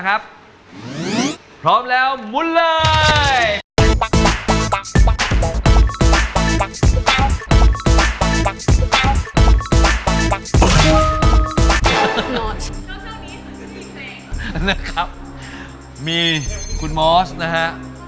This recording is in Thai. นะครับมีคุณมอสนะฮะ